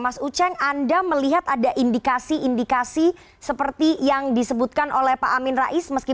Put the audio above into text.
mas uceng anda melihat ada indikasi indikasi seperti yang disebutkan oleh pak amin rais